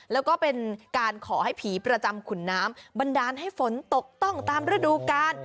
แล้วก็เป็นการขอให้ผีประจำขุนน้ำบันดาลให้ฝนตกต้องตามฤดูกาล